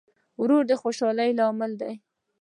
ورور د خوشحالۍ لامل دی.